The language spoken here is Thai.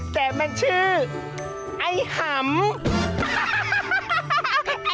แต่มันชื่อไอ้หำ